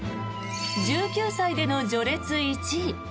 １９歳での序列１位。